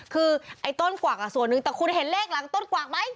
คือไอ้ต้นกวักส่วนหนึ่งแต่คุณเห็นเลขหลังต้นกวักไหม